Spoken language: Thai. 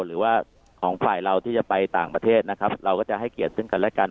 หรือว่าของฝ่ายเราที่จะไปต่างประเทศนะครับเราก็จะให้เกียรติซึ่งกันและกัน